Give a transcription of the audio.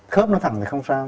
khớp nó thẳng thì không sao